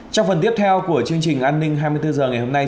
trong phần tiếp theo của chương trình an ninh hai mươi bốn h ngày hôm nay